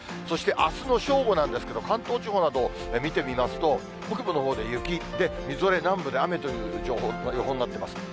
そして、あすの正午なんですけれども、関東地方など見てみますと、北部のほうで雪で、みぞれ、南部で雨という予報になってます。